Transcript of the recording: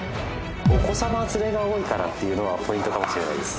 お子さま連れが多いからっていうのはポイントかもしれないです